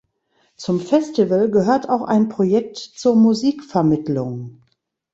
Zum Festival gehört auch ein Projekt zur Musikvermittlung.